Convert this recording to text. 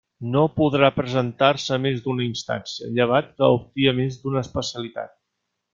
No podrà presentar-se més d'una instància, llevat que opte a més d'una especialitat.